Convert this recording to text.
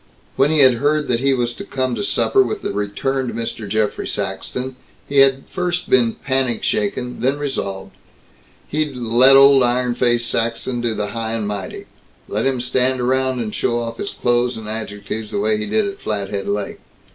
When he had heard that he was to come to supper with the returned Mr. Geoffrey Saxton, he had first been panic shaken, then resolved. He'd "let old iron face Saxton do the high and mighty. Let him stand around and show off his clothes and adjectives, way he did at Flathead Lake."